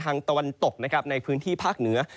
ตะวันตกนะครับในพื้นที่ภาคเหนือ